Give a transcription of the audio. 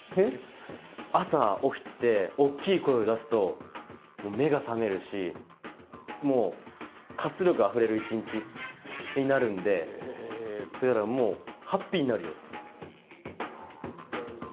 朝、起きて大きい声を出すと、目が覚めるし、もう活力あふれる一日になるんで、だからもう、ハッピーになるよって。